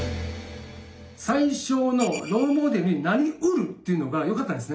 最初の「ロールモデルになりうる」っていうのがよかったんですね。